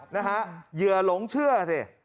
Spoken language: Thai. นะฮะเหยื่อหลงเชื่อสิ